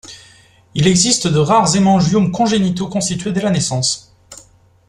Il existe de rares hémangiomes congénitaux, constitués dès la naissance.